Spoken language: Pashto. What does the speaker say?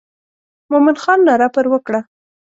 مومن خان ناره پر وکړه.